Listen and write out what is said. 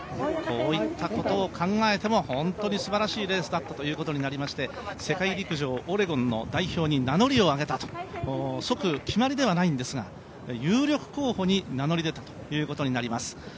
こういったことを考えても、本当にすばらしいレースだったということで世界陸上オレゴンの代表に名乗りを上げたと即決まりではないんですが有力候補に名乗り出たということになります。